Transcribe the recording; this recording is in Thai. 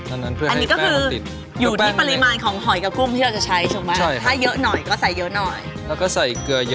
อันนั้นเพื่อให้แป้งมันติ้น